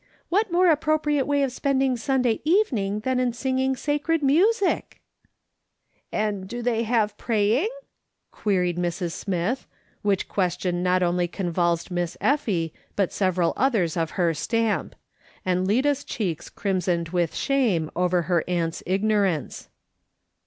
What more appropriate way of spending Sunda^^ evening than in singing sacred music ?""" And do they have praying ?" queried Mrs. Smith, which question not only convulsed Miss Effie, but several others of her stamp ; and Lida's cheeks crimsoned with shame over her aunt's ignor ance.